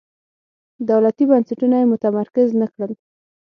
دولتي بنسټونه یې متمرکز نه کړل.